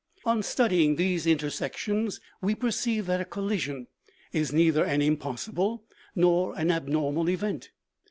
On studying these intersections, we perceive that a collision is neither an impossible nor an abnormal event.